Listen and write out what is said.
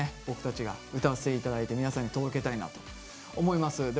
僕たちが歌わせて頂いて皆さんに届けたいなと思います。